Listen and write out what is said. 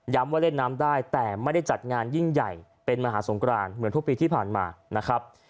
ว่าเล่นน้ำได้แต่ไม่ได้จัดงานยิ่งใหญ่เป็นมหาสงครานเหมือนทุกปีที่ผ่านมานะครับ